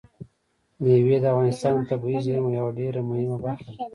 مېوې د افغانستان د طبیعي زیرمو یوه ډېره مهمه برخه ده.